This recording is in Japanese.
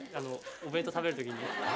お弁当食べる時に。